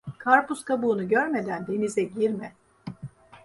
Karpuz kabuğunu görmeden denize girme.